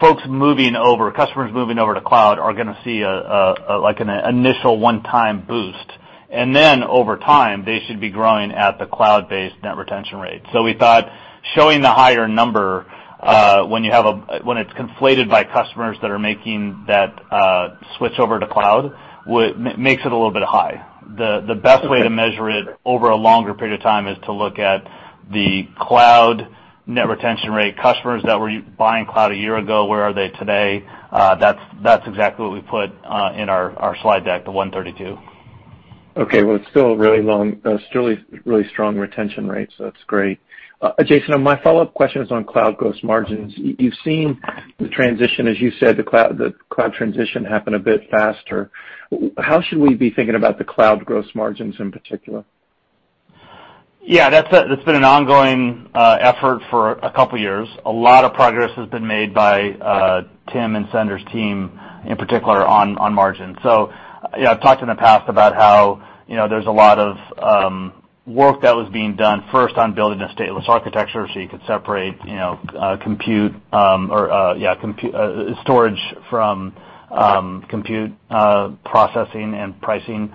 D: folks moving over, customers moving over to cloud are going to see an initial one-time boost. Over time, they should be growing at the cloud-based net retention rate. We thought showing the higher number, when it's conflated by customers that are making that switch over to cloud, makes it a little bit high. The best way to measure it over a longer period of time is to look at the cloud net retention rate. Customers that were buying cloud a year ago, where are they today? That's exactly what we put in our slide deck, the 132%.
N: Okay. Well, it's still a really strong retention rate, so that's great. Jason, my follow-up question is on cloud gross margins. You've seen the transition, as you said, the cloud transition happen a bit faster. How should we be thinking about the cloud gross margins in particular?
D: Yeah, that's been an ongoing effort for a couple of years. A lot of progress has been made by Tim and Sendur's team, in particular, on margin. I've talked in the past about how there's a lot of work that was being done first on building a stateless architecture so you could separate storage from compute processing and pricing.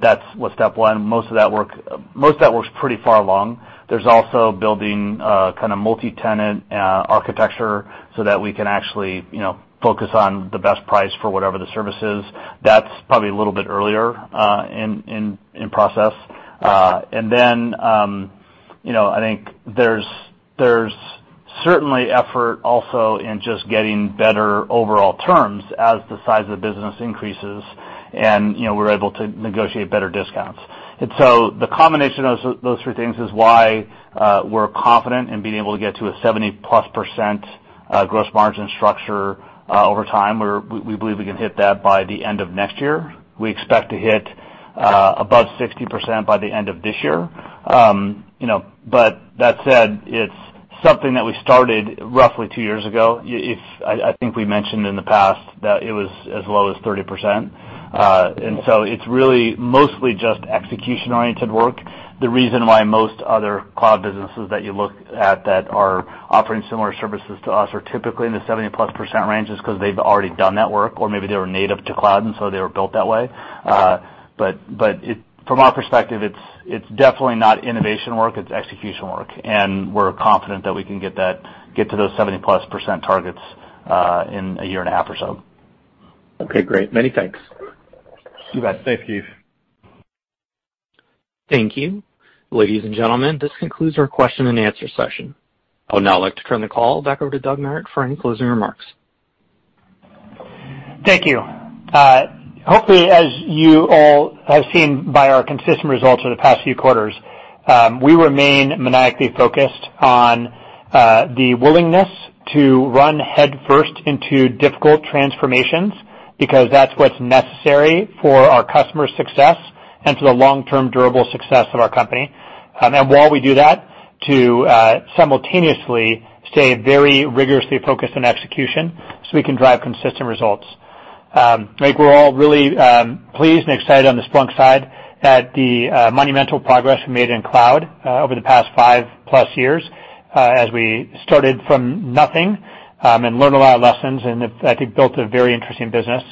D: That's step one. Most of that work is pretty far along. There's also building a kind of multi-tenant architecture so that we can actually focus on the best price for whatever the service is. That's probably a little bit earlier in process. I think there's certainly effort also in just getting better overall terms as the size of the business increases, and we're able to negotiate better discounts. The combination of those three things is why we're confident in being able to get to a 70%+ gross margin structure over time, where we believe we can hit that by the end of next year. We expect to hit above 60% by the end of this year. That said, it's something that we started roughly two years ago. I think we mentioned in the past that it was as low as 30%. It's really mostly just execution-oriented work. The reason why most other cloud businesses that you look at that are offering similar services to us are typically in the 70%-plus range is because they've already done that work, or maybe they were native to cloud, and so they were built that way. From our perspective, it's definitely not innovation work, it's execution work. We're confident that we can get to those 70%+ targets in a year and a half or so.
N: Okay, great. Many thanks.
D: You bet. Thanks, Keith.
A: Thank you. Ladies and gentlemen, this concludes our question and answer session. I would now like to turn the call back over to Doug Merritt for any closing remarks.
C: Thank you. Hopefully, as you all have seen by our consistent results over the past few quarters, we remain maniacally focused on the willingness to run headfirst into difficult transformations because that's what's necessary for our customers' success and for the long-term durable success of our company. While we do that, to simultaneously stay very rigorously focused on execution so we can drive consistent results. I think we're all really pleased and excited on the Splunk side at the monumental progress we made in cloud over the past five-plus years as we started from nothing and learned a lot of lessons, and I think built a very interesting business.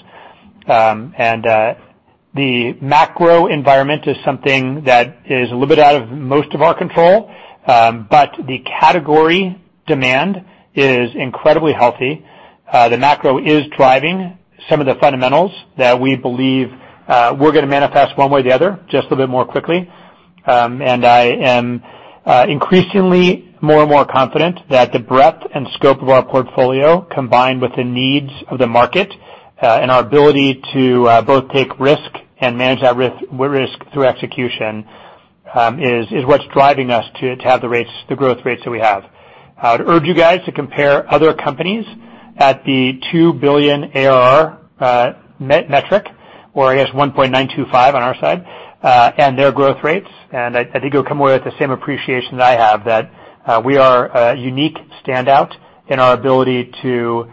C: The macro environment is something that is a little bit out of most of our control, but the category demand is incredibly healthy. The macro is driving some of the fundamentals that we believe we're going to manifest one way or the other just a bit more quickly. I am increasingly more and more confident that the breadth and scope of our portfolio, combined with the needs of the market and our ability to both take risk and manage that risk through execution, is what's driving us to have the growth rates that we have. I would urge you guys to compare other companies at the $2 billion ARR metric, or I guess $1.925 on our side, and their growth rates, and I think you'll come away with the same appreciation that I have that we are a unique standout in our ability to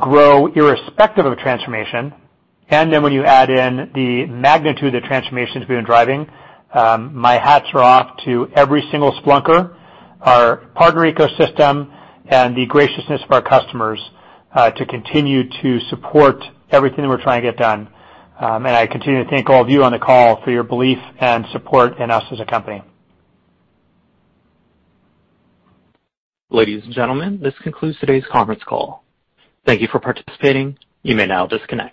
C: grow irrespective of transformation. When you add in the magnitude of the transformations we've been driving, my hats are off to every single Splunker, our partner ecosystem, and the graciousness of our customers to continue to support everything that we're trying to get done. I continue to thank all of you on the call for your belief and support in us as a company.
A: Ladies and gentlemen, this concludes today's conference call. Thank you for participating. You may now disconnect.